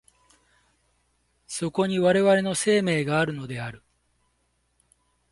そこに我々の生命があるのである。